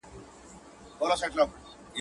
پورته گورم پړانگ دئ، کښته گورم پاڼ دئ.